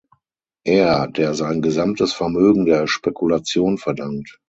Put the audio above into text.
Er, der sein gesamtes Vermögen der Spekulation verdankt.